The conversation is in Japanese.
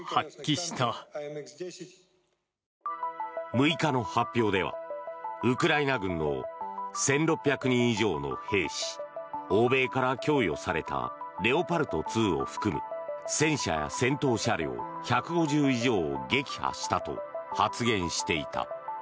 ６日の発表ではウクライナ軍の１６００人以上の兵士欧米から供与されたレオパルト２を含む戦車や戦闘車両１５０以上を撃破したと発言していた。